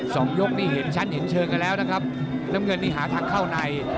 สองยกนี่เห็นชั้นเห็นเชิงกันแล้วนะครับน้ำเงินนี่หาทางเข้าใน